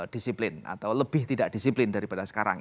disiplin atau lebih tidak disiplin daripada sekarang